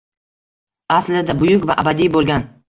Aslida buyuk va abadiy bo’lgan.